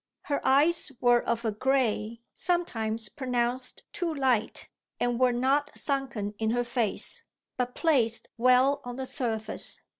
Her eyes were of a grey sometimes pronounced too light, and were not sunken in her face, but placed well on the surface.